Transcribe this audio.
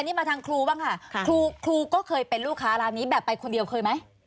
นี่มาทางครูบ้างค่ะครูก็เคยเป็นลูกค้าร้านนี้แบบไปคนเดียวเคยไหม